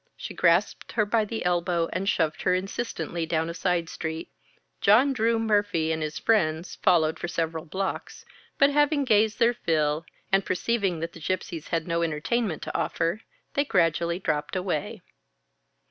She grasped her by the elbow and shoved her insistently down a side street. John Drew Murphy and his friends followed for several blocks, but having gazed their fill, and perceiving that the Gypsies had no entertainment to offer, they gradually dropped away.